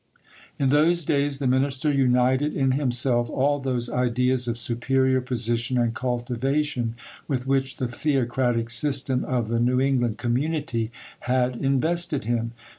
In those days, the minister united in himself all those ideas of superior position and cultivation with which the theocratic system of the New England community had invested him.